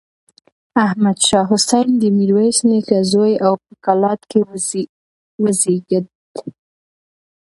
احمد شاه حسين د ميرويس نيکه زوی و او په کلات کې وزېږېد.